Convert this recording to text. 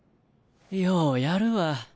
ようやるわ。